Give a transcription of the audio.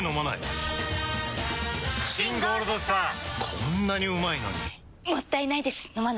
こんなにうまいのにもったいないです、飲まないと。